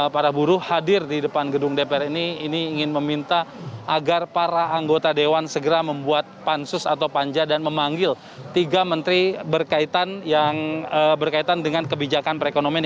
para buruh hadir di depan gedung dpr ini ini ingin meminta agar para anggota dewan segera membuat pansus atau panja dan memanggil tiga menteri berkaitan yang berkaitan dengan kebijakan perekonomian